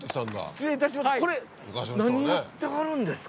失礼いたします